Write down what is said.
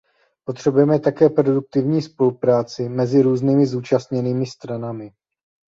Potřebujeme také produktivní spolupráci mezi různými zúčastněnými stranami.